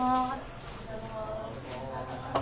おはようございます。